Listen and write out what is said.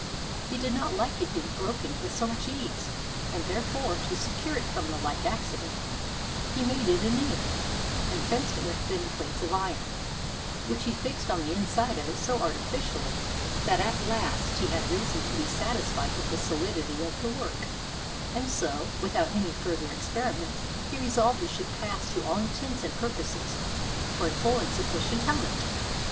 He did not Hke its being broken with so much ease, and therefore, to secure it from the like accident, he made it anew, and fenced it with thin plates of iron, which he fixed on the inside of it so arti ficially that at last he had reason to be satisfied with the solidity of the work; and so, without any farther experi ment, he resolved it should pass to all intents and pur poses for a full and sufficient helmet.